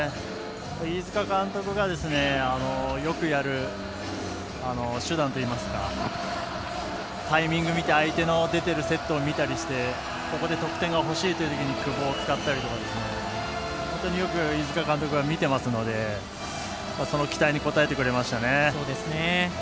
飯塚監督がよくやる手段といいますかタイミング見て相手の出てるセットを見たりしてここで得点が欲しいというときに久保を使ったりとか本当によく飯塚監督は見てますのでその期待に応えてくれましたね。